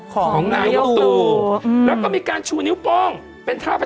ของตูหนูแล้วก็มีการชูนิ้วป้องเป็นทาพระจำ